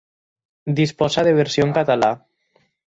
Disposa de versió en català.